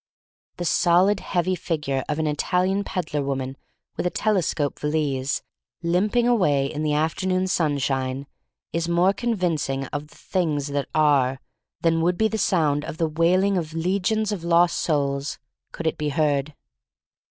The solid, heavy figure of an Italian peddler woman with a telescope valise, limping away in the afternoon sun shine, is more convincing of the Things that Are than would be the sound of the wailing of legions of lost souls, could it be heard.